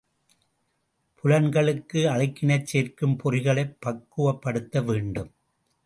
புலன்களுக்கு அழுக்கினைச் சேர்க்கும் பொறிகளைப் பக்குவப்படுத்த வேண்டும்.